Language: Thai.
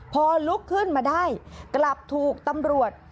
พอลุกขึ้นมาได้กลับถูกตำรวจ